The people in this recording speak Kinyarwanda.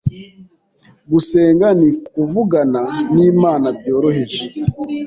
gusenga ni ukuvugana n’Imana byoroheje,